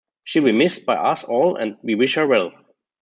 She'll be missed by us all and we wish her well.